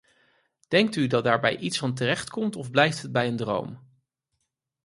Denkt u dat daar iets van terecht komt of blijft het bij een droom?